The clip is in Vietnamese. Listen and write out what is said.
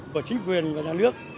của chính quyền và giáo dân